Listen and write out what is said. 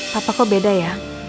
papa kok beda ya